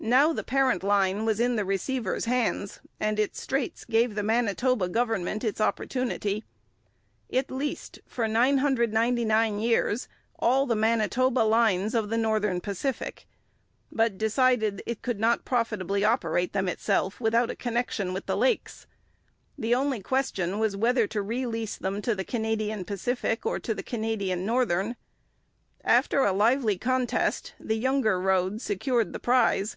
Now the parent line was in the receiver's hands, and its straits gave the Manitoba government its opportunity. It leased for 999 years all the Manitoba lines of the Northern Pacific, but decided it could not profitably operate them itself without connection with the lakes. The only question was whether to re lease them to the Canadian Pacific or to the Canadian Northern. After a lively contest the younger road secured the prize.